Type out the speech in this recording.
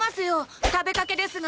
食べかけですが。